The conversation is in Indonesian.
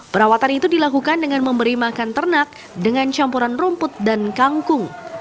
perawatan itu dilakukan dengan memberi makan ternak dengan campuran rumput dan kangkung